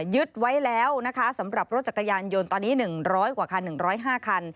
ยึดไว้แล้วนะคะสำหรับรถจักรยานยนต์ตอนนี้๑๐๐กว่าคัน๑๐๕คัน